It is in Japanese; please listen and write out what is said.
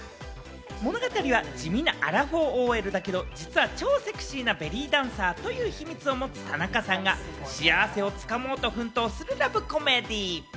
物語は地味なアラフォーＯＬだけれども、実は超セクシーなベリーダンサーという秘密を持つ田中さんが幸せをつかもうと奮闘するラブコメディ。